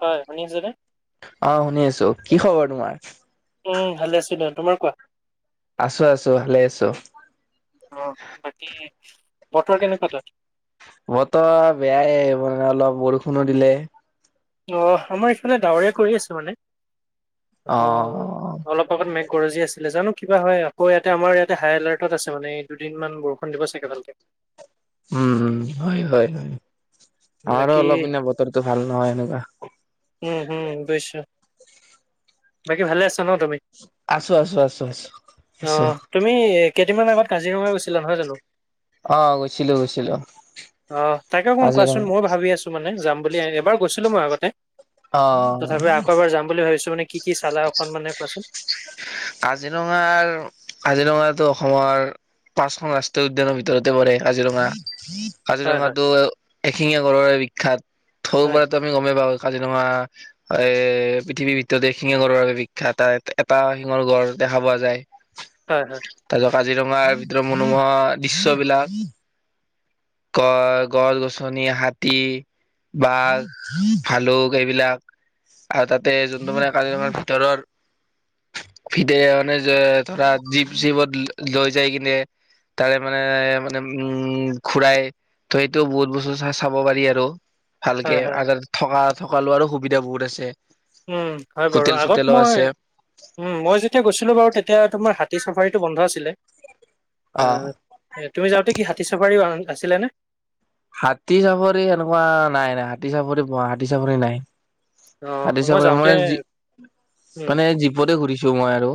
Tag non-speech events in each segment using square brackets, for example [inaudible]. হয় শুনি আছে নে? অ শুনি আছো, কি খবৰ তোমাৰ? উম ভালে আছো দে, তোমাৰ কোৱা? আছোঁ আছোঁ ভালে আছোঁ। অ বাকী বতৰ কেনেকুৱা তাত? বতৰ বেয়াই মানে অলপ বৰষুণো দিলে। অঁ আমাৰ ইফালে ডাৱৰেীয়া কৰি আছো মানে অ অলপ লগত মেঘগৰজী আছিলে জানো কিবা হয় আকৌ ইয়াতে আমাৰ ইয়াতে হাই এলাৰ্টত আছে মানে এই দুদিন মান বৰষুণ দিব চাগে ভালকে। উম উম হয় হয় হয় আমাৰো বাকী অলপ এনেই বতৰটো ভাল নহয় এনেকুৱা। উম হু বুইছোঁ, বাকী ভালে আছ ন তুমি? আছোঁ আছোঁ আছোঁ আছোঁ অ আছোঁ। তুমি কেইদিনমান আগত কাজিৰঙা গৈছিলা নহয় জানো? অ গৈছিলো গৈছিলো অ তাকে অকমান কাজিৰঙা। কোৱাচোন ময়ো ভাবি আছো মানে যাম বুলি এবাৰ গৈছিলো মই আগতে অ তথাপি আকৌ এবাৰ যাম বুলি ভাবিছো মানে কি কি চালে অকন মানে কোৱাচোন। কাজিৰঙাৰ কাজিৰঙা টো অসমৰ পাঁচখন ৰাষ্ট্ৰীয় উদ্যানৰ ভিতৰতে পৰে় কাজিৰঙা, হয় হয় কাজিৰঙাটো এশিঙীয়া গড়ৰ বাবে বিখ্যাত থৌ হয় পৰা আমি গমেই পাওঁ কাজিৰঙা এ পৃথিৱীৰ ভিতৰতে শিঙে গড়ৰ বাবে বিখ্যাত তাত এটা শিঙৰ গড় দেখা পোৱা যায়। হয় হয়। তাৰ পিছত কাজিৰঙাৰ ভিতৰত মনোমোহা দৃশ্যয়বিলাক গড় গছ গছনি হাতী বাঘ ভালুক এইবিলাক আৰু তাতে যোনটো মানে কাজিৰঙাৰ ভিতৰৰ ফিদে মানে যে ধৰা জীপ জিপত লৈ যাই কিনে তাৰে মানে মানে উম ঘুৰাই ত সেইটো বহুত বস্তু চাব পাৰি আৰু হয় ভালকে হয়। আগ থকা থকা লোৱাৰো সুবিধা বহুত আছে। উম হয় বাৰু হোটেল আগত চোটেলো মই আছে উম, মই যেতিয়া গৈছিলো বাৰু তেতিয়া তোমাৰ হাতী চাফাৰীটো বন্ধ আছিলে। অ', তুমি যাওঁতে কি হাতী চাফাৰীও আছিলে নে? হাতী চাফাৰী এনেকুৱা নাই নাই হাতী চাফাৰী ব হাতী চাফাৰী নাই। অ' হাতী চাফাৰী যাওঁতে মই জী উম, মানে জীপতে ঘূৰিছো মই আৰু।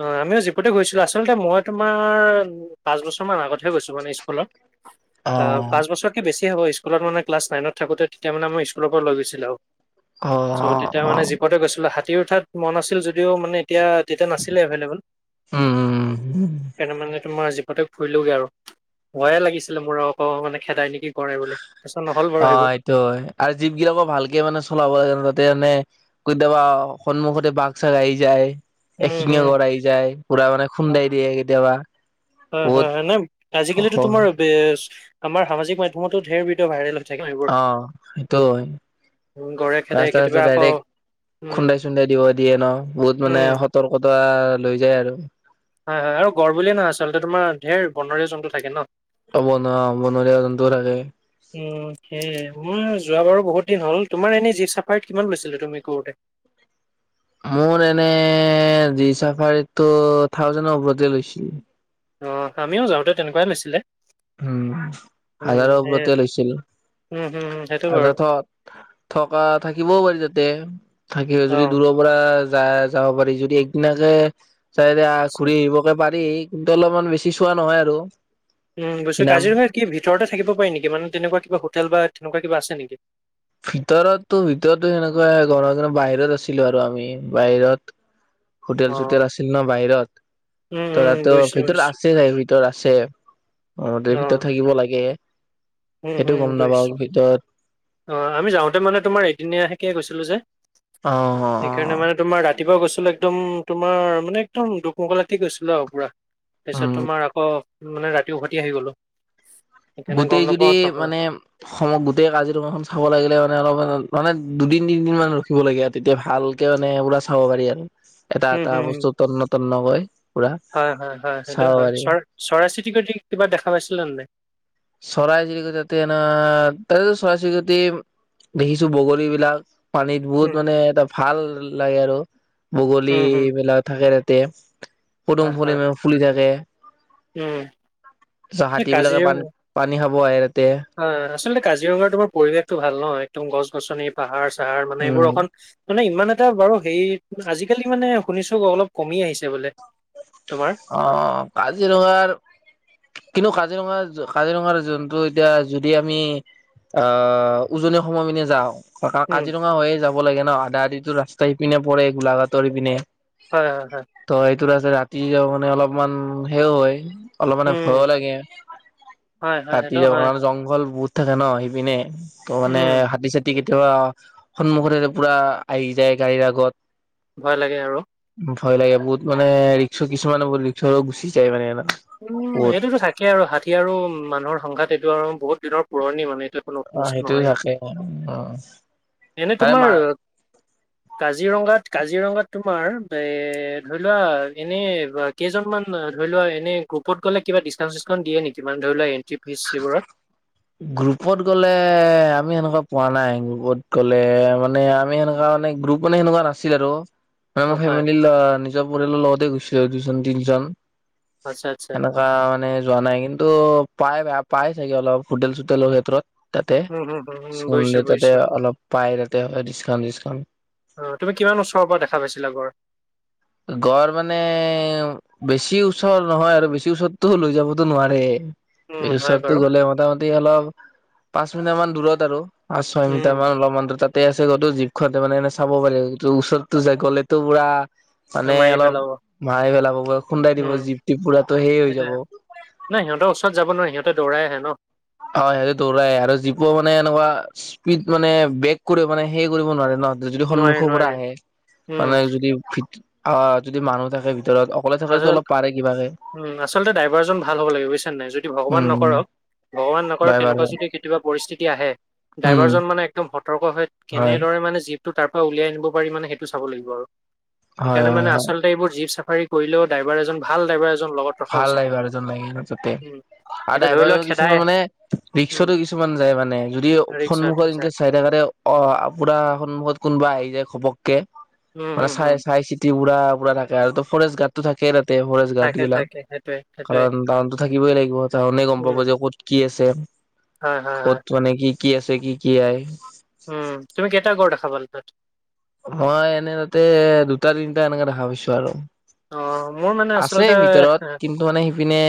অ', আমিও জীপতে গৈছিলো আচলতে মই তোমাৰ পাঁচ বছৰমান আগতহে গৈছো মানে স্কুলত। অ', পাঁচ বছৰ কি বেছি হ'ব স্কু স্কুল মানে ক্লাছ নাইনত থাকোঁ তেতিয়া মানে মই স্কুলৰ লৈ গৈছিল আৰু। অ চ' অ তেতিয়া অ মানে জীপতে গৈছিলো হাতী উঠাত মন আছিল যদিও মানে এতিয়া [inaudible] তোমাৰ জীপতে উম উম উম। ফুৰিলো গে আৰু ভয়ে লাগিছিলে মোৰ অকৌ মানে খেদাই নেকি। কৰে বুলি তাৰপিছত নহ'ল বাৰু সেইবোৰ। ত' হয় আৰু জীপ গিলাকো ভালকে মানে চলাব [unintelligible] কেতিয়াবা সন্মুখতে বাঘ চাঘ আহি যায়। উম, এশিঙীয়া হুম, গড় আহি যায় পুৰা মানে খুন্দাই দিয়ে কেতিয়াবা। হয়, বহুত হয়, হয়, নে আজিকালিতো তোমাৰ আমাৰ সামাজিক মাধ্যমতো ধেৰ ভডিঅ' ভাইৰেল হৈ থাকে ন এইবোৰ। অ', সেইটো হয়, উম, গৰে খেদাই ৰাস্তাই কেতিয়াবা ৰাস্তাই আকৌ ডাইৰেক্ট উম, খুন্দাই চুন্দাই দিব দিয়ে ন বহুত মানে উম, সতৰ্কতা লৈ যায় আৰু। হয়, হয়, আৰু গড় বুলিয়ে নহয় আচলতে তোমাৰ ধেৰ বনৰীয়া জন্তু থাকে ন। অ', বনোৱা বনৰীয়া জন্তুও থাকে। উম, সেয়ে মই যোৱা বাৰু বহুত দিন হ'ল। তোমাৰ এনেই জীপ চাফাৰীত কিমান লৈছিলো তুমি কৰোঁতে? মোৰ এনে চাফাৰীটো থাউজেণ্ডৰ ওপৰতে লৈছিল। অ', আমিও যাওঁতে তেনেকুৱাই লৈছিলে। উম, উম, হাজাৰৰ সেয়ে ওপৰতে লৈছিল। উম, হুম, হুম, সেইটো বাৰু [unintelligible] থকা থাকিবও পাৰি যাতে থাকিব যদি অ'। দূৰ পৰা যায় যাব পাৰি যদি একদিনাকে যায়, যায় ৰে তাৰপিছত ঘুৰি আহিব পাৰি কিন্তু অলপমান বেছি চোৱা নহয় আৰু। উম, গৈছো ইনাম কাজিৰঙা কি ভিতৰতে থাকিব পাৰি নেকি মানে তেনেকুৱা হোটেল বা তেনেকুৱা কিবা আছে নেকি? ভিতৰতো ভিতৰতো সেনেকুৱা [unintelligible] বাহিৰত আছিলো আৰু আমি বাহিৰত হোটেল চোটেল অ', আছিল ন বাহিৰত। উম, ত' উম, তাতো বুজিছোঁ, ভিতৰত বুজিছোঁ, আছে [unintelligible] ভিতৰত আছে আহ তে অ'। ভিতৰত থাকিব লাগে। উম, সেইটো হুম, গম গৈছো। নাপাওঁ ভিতৰত অ', আমি যাওঁতে মানে তোমাৰ এদিনীয়াহেকে গৈছিলোঁ যে। অ অ সেইকাৰণে মানে তোমাৰ ৰা ৰাতিপুৱা গৈছিলো একদম তোমাৰ মানে একদম দুক মুক ৰাতি গৈছিলো আৰু পুৰা। অ তাৰপিছত উম তোমাৰ আকৌ মানে ৰাতি উভতি আহি গ'লো। সেইকাৰণে গম গোটেই যদি নাপাওঁ থকা মানে অসমত গোটেই কাজিৰঙাখন চাব লাগিলে মানে অলপ মানে দুদিন তিনদিন মান ৰখিব লাগে আৰু। তেতিয়া ভালকে মানে পুৰা চাব পাৰি আৰু এটা উম, এটা হুম, হুম। বস্তু তন্ন তন্নকৈ। পুৰা হয়, হয়, হয়, সেইটো চাব হয় পাৰি চ-চৰাই চিতি কৰি কিবা দেখা পাইছিলানে নাই? চৰাই চিৰিকটি তাতে এনে তাতেটো চৰাই চিৰিকটি দেখিছো বগলীবিলাক। পানীত উম, বহুত মানে এটা ভাল লাগে আৰু হুম, হুম, বগলীবিলাক থাকে তাতে। পদুম হয়, ফুল হয়, ইমান ফুলি থাকে। উম। চ' এই হাতীবিলাকে পানী পানী খাব আহে তাতে। অ', আচলতে কাজিৰঙাৰ তোমাৰ পৰিৱেশটো ভাল ন একদম গছ গছনি পাহাৰ চাহাৰ মানে উম এইবোৰ অকন মানে ইমান এটা বাৰু হেৰি আজিকালি মানে শুনিছো অলপ কমি আহিছে বোলে। তোমাৰ। অ অ কাজিৰঙাৰ। কিন্তু কাজিৰঙা কাজিৰঙাৰ জন্তু এতিয়া যদি আমি। আ উজনি সময় পিনে যাওঁ। অ কা উম, কাজিৰঙা হৈয়ে যাব লাগে ন আদা আদি ৰাস্তা ইপিনে পৰে গোলাঘাটৰ ইপিনে। হয় হয় হয়। ত সেইটো আছে ৰাতি য মানে অলপমান সেও হয়। অলপ মানে উম, ভয়ো লাগে হয়, হয়, কাটি সেইটো যাব হয়। কাৰণে জংঘল বহুত থাকে ন সেইপিনে। ত মানে উম, হাতী- চাতি কেতিয়াবা সন্মুখতে পুৰা আহি যায় গাড়ীৰ আগত। ভয় লাগে আৰু। ভয় লাগে বহুত মানে ৰিক্স কিছুমানে বহুত ৰিক্স গুচি যায় মানে। উম বহুত এইটোতো থাকেই আৰু হাতী আৰু মানুহৰ সংঘাত এইটো আৰু বহুত। দিনৰ পুৰণি মানে এইটো নতুন অ বস্তু সেইটো নহয়েই থাকে অ এনে তাৰে তোমাৰ মা কাজিৰঙাত কাজিৰঙাত তোমাৰ এ ধৰি লোৱা এনে। কেইজনমানান ধৰি লোৱা এনে গ্ৰুত গলে কিবা ডিছকাউণ্ট চিচকাউণ্ট দিয়ে নেকি মান ধৰি লোৱা এন্ট্ৰি ফিজ এইবোৰত। গ্ৰুপত গ'লে আমি সেনেকুৱা পোৱা নাই গ্ৰুপত গ'লে মানে আমি সেনেকুৱা মানে গ্ৰুপ। মানে সেনেকুৱা নাছিল আৰু মানে অ', মই হয়, ফেমিলি নিজৰ পৰিয়ালৰ লগতে গৈছিলো দুজন তিনজন। আচ্ছা আচ্ছা। বা মানে যোৱা নাই কিন্তু পাই পাই চাগে অলপ হোটেল চোটেলৰ ক্ষেত্ৰত। তাতে উম, হুম, হুম, হুম, চ বুজিছোঁ, তাতে বুজিছোঁ। অলপ পাই তাতে হয় ডিচকাউন্ট চিচকাউট। অঁ তুমি কিমান ওচৰৰ পৰা দেখা পাইছিলা গঁড়। গঁড় মানে। বেছি ওচৰ নহয় আৰু বেছি ওচৰতো লৈ যাবতো নোৱাৰে। উম, এইটো হয় চৰতো বাৰু। গ'লে মোটামুটি অলপ পাঁচ মিনিট মান দূৰত আৰু। পাঁচ ছয় উম, মিটাৰ মান অলপমান দূৰ তাত তে আছে গড়তো জীপখনতে মানে চাব পাৰি। ওচৰততো যাই গ'লেতো পুৰা মানে মাৰি অলপ পেলাব। মাৰি পেলাব খুন্দাই দিব উম, জীপটিপ পুৰাটো সেই হৈ সেইটোৱে। যাব। নাই সিহঁতৰ ওচৰত যাব নোৱাৰি সিহঁতে দৰাই আহে ন। হয় সেইটো দৌৰাই আৰু, জীপটো মানে এনেকুৱা স্পীড মানে বে'ক কৰিব মানে সেই কৰিব নোৱাৰে ন। যদি নোৱাৰে সন্মুখৰ পৰা নোৱাৰে আহে উম মানে যদি ভ আহ যদি মানুহ থাকে ভিতৰত অকলে থাকিলেতো আজল অলপ পাৰে কিবাকে আচলতে ড্ৰাইভাৰজন ভাল হ'ব লাগে বুজিছনে নাই। যদি ভগৱান উম নকৰক ভগৱান নকৰক তেনেকুৱা ড্ৰাইভাৰজন যদি কেতিয়াবা পৰিস্থিতি আহে, উম ড্ৰাইভাৰজন মানে একদম সতৰ্ক হৈ হয় কেনেদৰে মানে জীপটো তাৰ পৰা উলিয়াই আনব পাৰি মানে সেইটো চাব লাগিব আৰু। হয় সেইকাৰণে হয় মানে হয় আচলতে এইবোৰ জীপ চাফাৰী কৰিলেওঁ ড্ৰাইভাৰ এজন ভাল ড্ৰাইভাৰ এজন লগত ৰখা ভাল উচিত ড্ৰাইভাৰ মানে এজন লাগে কিন্তু ততে। উম আৰু এতিয়া ধৰি ড্ৰাইভাৰ লোৱা খেদাই কিছুমান মানে উম ৰিক্সতো কিছুমান যায় মানে। যদি ৰিক্সাত সন্মুখত ইনকে যায় চাই থকাতে অ' আপোনাৰ সন্মুখত কোনোবা আহি যায় ঘপককে উম মানে উম চাই উম চাই চিত তি পুৰা পুৰা থাকে। ত ফৰেষ্ট গাৰ্ড টো থাকে তাতে। ফৰেষ্ট গাৰ্ড থাকে গিলাক থাকে সেইটোৱে। সেইটোৱে কাৰণ তাহা'তো থাকিবই লাগিব, তাহা'তে গ'ম পাব উম যে ক'ত কি আছে। হয় হয় হয় ক'ত মানে কি কি আছে কি কি আই। উম তুমি কেইটা গড় দেখা পালা তাত? মই এনে তাতে দুটা তিনিটা এনেকাে দেখা পাইছো আৰু। অ মোৰ মানে আচলতে আছেই ভিতৰত এ কিন। টো মানে সিপিনে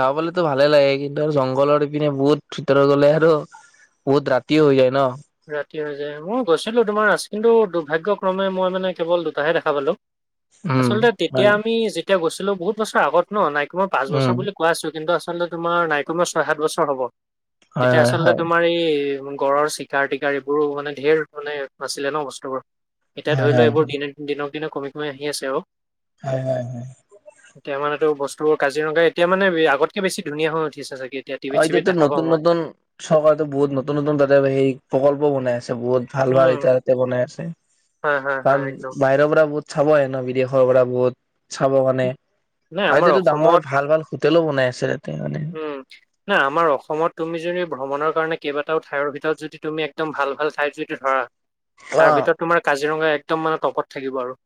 যাবলেতো ভালে লাগে, কিন্তু জংঘলৰ ইপিনে বহুত ভিতৰত গ'লে আৰু- বহুত ৰাতি হৈ যায় ন। ৰাতি হৈ যায়, মই গৈছিলো তোমাৰ আছিলো দুৰ্ভাগ্য ক্ৰমে মই মানে কেৱল দুটাহে দেখা পালো। উম আচলতে তেতিয়া হয় আমি যেতিয়া গৈছিলো বহুত বছৰ আগত ন, নাইকমেও মই পাঁচ বছৰ উম, বুলি কোৱা আছিল। কিন্তু, আচলতে তোমাৰ নাইকমেও ছয় সাত বছৰ হ'ব। হয়, তেতিয়া হয়, আচলতে হয়, তোমাৰ এই গড়ৰ চিক- কাৰ টিকাৰ এইবোৰো মানে ঢেৰ মানে নাছিলে ন বস্তুবোৰ, এতিয়া হয়, ধৰি লও হয়, এইবোৰ দি- দিনক দিনে কমি কমি আহি আছে অও। হয় হয় হয়। এতিয়া মানে ত বস্তুবোৰ কাজিৰঙা এতিয়া মানে আগতকে বেছি ধুনীয়া হৈ উঠিছে চাগে। এতিয়া টিভিত অঁ' চিভিত এতিয়াতো দেখা পাওঁ নতুন মই নতুন চৰকাৰে বহুত নতুন নতুন তাতে হে প্ৰকল্প বনাই আছে বহুত। ভাল ভাল উম এতিয়া তাতে বনাই আছে। হয় হয় কাৰণ হয় একদম বাহিৰৰ পৰা বহুত- চাব আহে ন বিদেশৰ পৰা বহুত চাব কাৰণে নাই আৰু আমাৰ এতিয়াটো ডাঙৰ অসমত ভাল ভাল- হোটেলো বনাই আছে তাতে মানে। উম' না আমাৰ অসমত তুমি যদি ভ্ৰমণৰ কাৰণে কেইবাটাও ঠাইৰ ভিতৰত যদি তুমি একদম ভাল ভাল ঠাইত যদি ধৰা- তাৰ অ', ভিতৰত তোমাৰ কাজিৰঙা একদম মানে টপত থাকিব আৰু।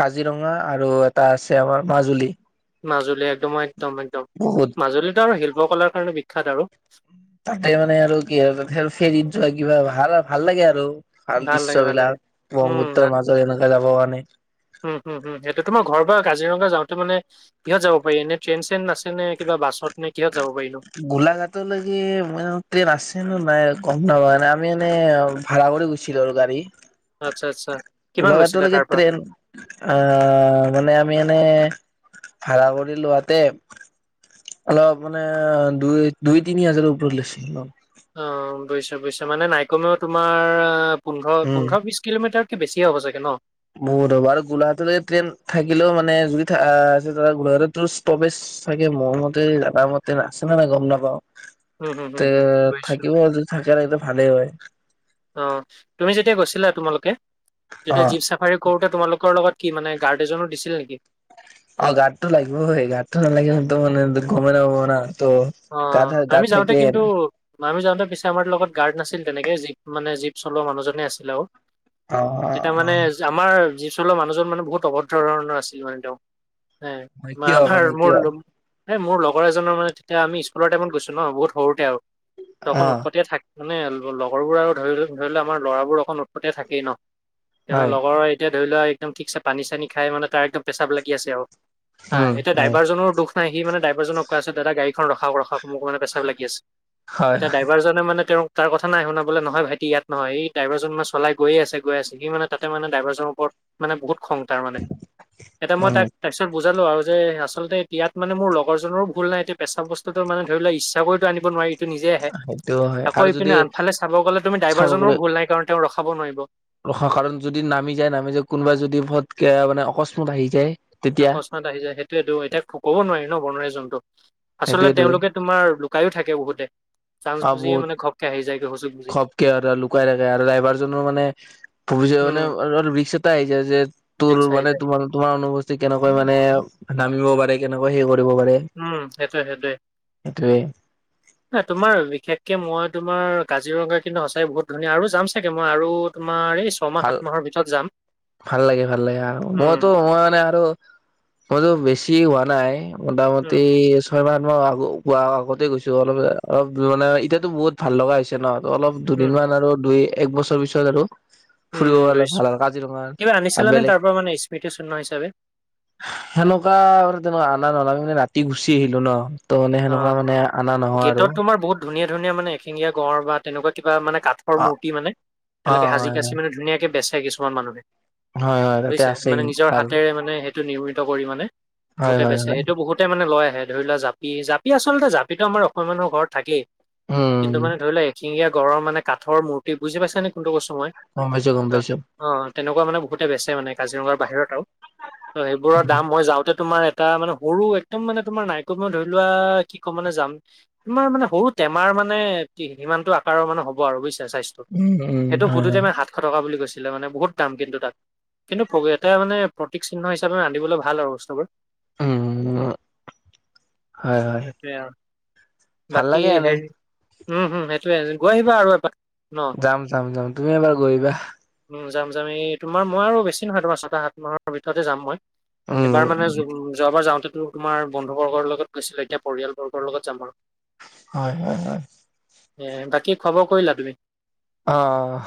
কাজিৰঙা আৰু এটা আছে আমাৰ মাজুলী। মাজুলী সেটো ময় একদম একদম, বহুত মাজুলীটো আৰু শিল্পকলাৰ কাৰণে বিখ্যাত আৰু। তাতে মানে আৰু কি হয় হেল ফেৰীত যোৱা কিবা ভাল ভাল লাগে আৰু। ভাল লাগে ভাল লাগে। দৃশ্যবিলাক উম, ব্ৰহ্মুপুত্ৰৰ ভাল মাজত এনেকে যাব কাৰনে। উম হুম হুম' সেইটো তোমাৰ ঘৰৰ পৰা কাজিৰঙা যাওঁতে মানে- কিহ'ত যাব পাৰি, এনে ট্ৰেইন চেন আছে নে কিবা বাছত নে কিহত যাব পাৰিনো? গোলাঘাটলৈকে মই জনাত ট্ৰেইন আছে নে নাই মই গ'ম নাপাওঁ। আমি এনে- ভাড়া কৰি গৈছিলোঁ আৰু গাড়ী। আৎচ্ছা আৎচ্ছা। গোলাঘাতলেকে ট্ৰেইন- অঁ' মানে আমি এনে ভাড়া কৰি লোৱাতে- অলপ মানে দুই দুই তিনি হাজাৰৰ ওপৰত লৈছিল, অঁ'। অঁ' বুজিছোঁ বুজিছোঁ মানে নাইকমেও তোমাৰ পোন্ধৰ উম পোন্ধৰ বিশ- কিলোমিটাৰতকে বেছিয়ে হব চাগে ন? বহুত হ'ব আৰু গোলাঘাটলৈ ট্ৰেইন থাকিলেও মানে যদি আছে গোলাঘাততটো ষ্টবেজ- চাগে মোৰমতে এটা মতে আছে নে নাই গম নাপাওঁ। উম, হম, হম, তে হম, থাকিব যদি থাকে তেন্তে ভালে হয়। অঁ' তুমি যেতিয়া গৈছিলা তোমালোকে অ তেতিয়া জীপ চাফাৰী- কৰোতে তোমালোকৰ লগত কি মানে গাৰ্ড এজনো দিছিলে নেকি? অঁ' গাৰডটো লাগিবৈ, গাৰড টো নালাগিলেতো মানে গমে নাপাব না ত'- গাত অঁ' গাত আমি যাওঁতে থাকে কিন্তু- মানু্হ যাওঁতে পিছে আমাৰ লগত গাৰ্ড নাছিল তেনেকে জীপ মানে জীপ চলোৱা মানুহজনে আছিল আৰু। অ অ তেতিয়া অ মানে আমাৰ জীৱ চলোৱাৰ মানুহজন মানে বহুত অভদ্ৰ ধৰণৰ আছিল মানে তেওঁ। মানে এঁ কিয় মাৰভাৰ মানে কিয় মোৰলোম- এ মোৰ লগৰ এজনৰ মানে তেতিয়া আমি স্কুলৰ টাইমত গৈছো ন, বহুত সৰুতে আৰু তখন অ উৎপতিয়ে থাক- মানে লগৰবোৰ আৰু ধৰি ধৰি লও আমাৰ ল'ৰাবোৰ অকণ উৎপতিয়া থাকেই ন, যেনে হয় লগৰৰ- এতিয়া ধৰি লোৱা একদম ঠিকছে পানী চানী খাই মানে তাৰ একদম পেচাব লাগি আছে আও, হাঁ উম এইটো হয় ড্ৰাইভাৰজনৰো দুখ। ন সি মানে ড্ৰাইভাৰজনক কৈ আছে দাদা গাড়ীখন ৰখাওঁক ৰখাওঁক মোক মানে প্ৰেচাব লাগি আছে। হয় এতিয়া ড্ৰাইভাৰজনে মানে তেওঁক- তাৰ কথা নাই শুনা নহয় ভাইটি ইয়াত নহয় ডাইভাৰজন মানে চলাই গৈয়ে আছে গৈ আছে সি মানে তাতে মানে ড্ৰাইভাৰজনৰ ওপৰত মানে বহুত খং তাৰ মানে এতিয়া মই উম তাক তাৰপিছত বুজালো আৰু যে আচলতে এতিয়াত মানে মোৰ লগৰজনৰো ভুল নাই এতিয়া পেচাব বস্তুটো মানে ধৰি লোৱা ইচ্ছা কৰি টো আনিব নোৱাৰি। সি নিজে আহে সেইটো হয় আকৌ আৰু যদি ইপিনে আনফালে চাব গ'লে তুমি চাব ড্ৰাইভাৰজনৰো গ'লে ভুল নাই কাৰণ তেওঁ ৰখাব নোৱাৰিব। ৰখা কাৰণ যদি নামি যায় নামি যায় কোনোবা যদি ফতকে মানে অকস্মাত আহি যায়। তেতিয়া আকস্মাত আহি যায় সেইটোৱেটো এতিয়া ক'ব নোৱাৰি ন' বনোৱাৰী জন্তুক। আচলতে সেইটোয়েতো তেওঁলোকে তোমাৰ লুকায়ো থাকে বহুতে, চাঞ্চ অ বুজিয়ে বহুত মানে ঘপকে আহি যায়গ হুচ খপকে আৰু লুকাই থাকে আৰু ড্ৰাইভাৰজনো মানে পৰিচয় উম, মান ৰিক্স এটা আহি যায় যে তোৰ ৰিস্ক আহি মানে যায়। তোমাৰ তোমাৰ অনুপষ্ঠি কেনেকৈ মানে নামিব পাৰে কেনেকৈ সেই কৰিব পাৰে। উম, সেইটোৱে সেইটোৱে। সেইটোৱে ন তোমাৰ বিশেষকে মই তোমাৰ কাজিৰঙা কিন্তু সঁচাই বহুত ধুনীয়া আৰু যাম চাগে মই আৰু তোমাৰ এই ছমাহ ভাল, সাত মাহৰ ভিতৰত যাম। ভাল লাগে, ভাল লাগে আৰু উম, মইতো মই মানে আৰু মইতো বেছি হোৱা নাই উম, মোটামুটি ছয় মাহ মই আগ পোৱা আগতেই গৈছো অলপ অলপ মানে এতিয়াতো বহুত ভাল লগা হৈছে ন' অলপ উম, দুদিনমান আৰু দুই এক বছৰ পিছত আৰু ফুৰিব উম, গ'লে বুজিছো। ভাল আৰু কাজিৰঙা কিবা আৰু আনিছিলানে বেলেগ তাৰ পৰা মানে স্মৃতি চিহ্ন হিচাপে? সেনেকুৱা তেনেকুৱা আনা নলাগে মানে ৰাতি গুচি আহিলো ন'। ত' মানে সেনেকুৱা অ', মানে অনা নহয় আৰু। গেটত তোমাৰ বহুত ধুনীয়া ধুনীয়া মানে এশিগীয়া গড় বা তেনেকুৱা কিবা কাত ঠৰ অ মূৰ্তি মানে অ তেওঁলোকে সাজি কাচি মানে ধুনীয়াকে বেচে কিছুমান মানুহে। হয় হয় হয় তাতে বুজিছে আছে মানে কিন্তু নিজৰ ভাল হাতেৰে মানে এক সিটো নিয়ৰ্মিত কৰি মানে হয় বহুতে হয় বেচে হয় সেইটো বহুতে মানে লৈ আহে ধৰি লোৱা জাপ পি জাপি আচলতে জাপিটো আমাৰ অসমীয়া মানুহৰ ঘৰত থাকেই উম কিন্তু মানে ধৰি লোৱা শিঙিয়া গড়ৰ মানে কাঠৰ মূৰ্তি বুজি পাইছা নে কোনটো মোৰ সমই গম পাইছো, গম পাইছো। অ', তেনেকুৱা মানে বহুতে বেচে মানে কাজিৰঙাৰ বাহিৰত আৰু ত' সেইবোৰৰ উম দাম মই যাওঁতে তোমাৰ টা মানে সৰু একদম মানে তোমাৰ নাই কমে ধৰি লোৱা কি কম মানে যাম তোমাৰ মানে সৰু টেমাৰ মানে সিমানতটো আকাৰৰ মানে হ'ব আৰু বুজিছা চাইজ উম উম সেইটো হয় সুধোতে হয় মই সাতশ টকা বুলি কৈছিলো মানে বহুত দাম কিন্তু তাত। কিন্তু [unintelligible] এটাই মানে প্ৰতীক চিহ্ন হিচাপে ৰান্ধিবলৈ ভাল আৰু বস্তুবোৰ। উম, হুম, হুম, হয়, হয়, সেইটোৱে আৰু ভাল বাকী লাগে এনেই। হেৰি উম, হুম, সেইটোৱে গৈ আহিবা আৰু এপাক। যাম, যাম, যাম, তুমি এবাৰ গৈ আহিবা। উম, যাম, যাম, এই তোমাৰ মই আৰু বেছি নহয় তোমাৰ ছটা সাত মাহৰ ভিতৰতে যাম মই। এবাৰ উম মানে যোৱাবাৰ যাওঁতেটো তোমাৰ বন্ধু বৰ্গৰ লগত গৈছিলো এতিয়া পৰিয়ালবৰ্গৰ লগত যাম বাৰু। হয়, হয়, হয়। এয়াই বাকী খোৱা বোৱা কৰিলা তুমি? অহ।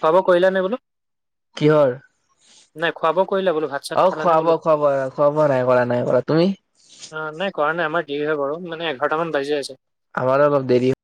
খোৱা বোৱা কৰিলা নে বোলো? কিহৰ? নাই খোৱা বোৱা কৰিলে বোলো ভাত চাত অ', খালা খোৱা নে বোলো? বোৱা, খোৱা বোৱা, খোৱা বোৱা নাই কৰা নাই কৰা, তুমি? অ' নাই কৰা নাই আমাৰ দেৰি হয় বাৰু মানে এঘাৰটা মান বাজি যাই আছে। আমাৰো অলপ দেৰি হয়।